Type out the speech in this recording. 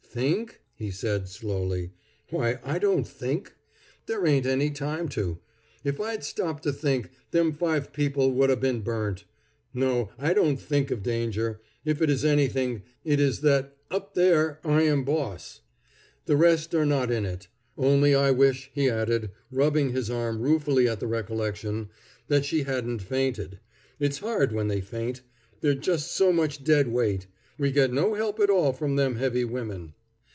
"Think?" he said slowly. "Why, I don't think. There ain't any time to. If I'd stopped to think, them five people would 'a' been burnt. No; I don't think of danger. If it is anything, it is that up there I am boss. The rest are not in it. Only I wish," he added, rubbing his arm ruefully at the recollection, "that she hadn't fainted. It's hard when they faint. They're just so much dead weight. We get no help at all from them heavy women."